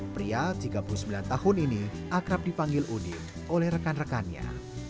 pria tiga puluh sembilan tahun ini akrab dipanggil udin oleh rekan rekannya